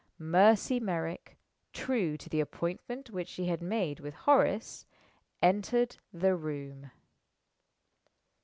Mercy Merrick (true to the appointment which she had made with Horace) entered the room.